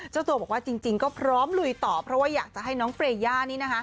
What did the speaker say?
เจ้าตัวบอกว่าจริงก็พร้อมลุยต่อเพราะว่าอยากจะให้น้องเฟรย่านี่นะคะ